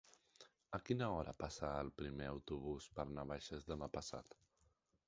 A quina hora passa el primer autobús per Navaixes demà passat?